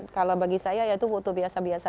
kalau bagi saya ya itu foto biasa biasa